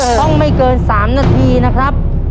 ต้องไม่เกิน๓นาทีนะครับ